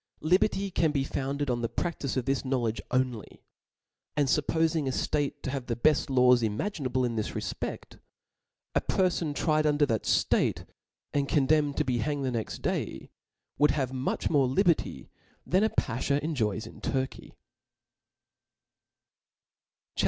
Liber^ can be founded on the practice of this knowledge only ; and fuppofing a ftate to have the beft laws imaginable in this refpefl^ a perfon tried under that itate, and condemned to be hanged the next day, would have much more liberty, than a baihaw enjoys in Turkey* CHAP.